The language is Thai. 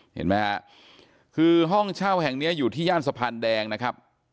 เห็นไหมฮะคือห้องเช่าแห่งนี้อยู่ที่ย่านสะพานแดงนะครับ